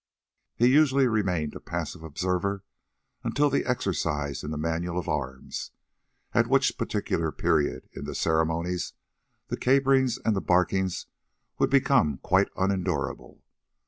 He usually remained a passive observer until the exercise in the manual of arms, at which particular period in the ceremonies, the caperings and the barkings would become quite unendurable.